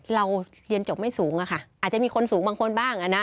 เราเรียนจบไม่สูงอะค่ะอาจจะมีคนสูงบางคนบ้าง